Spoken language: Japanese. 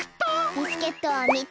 ビスケットは３つ！